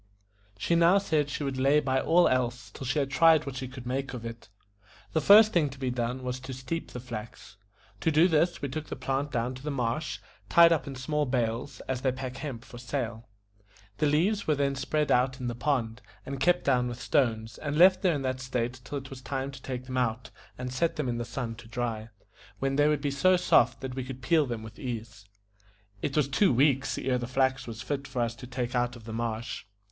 She now said she would lay by all else till she had tried what she could make of it. The first thing to be done was to steep the flax. To do this we took the plant down to the marsh, tied up in small bales, as they pack hemp for sale. The leaves were then spread out in the pond, and kept down with stones, and left there in that state till it was time to take them out and set them in the sun to dry, when they would be so soft that we could peel them with ease. It was two weeks ere the flax was fit for us to take out of the marsh.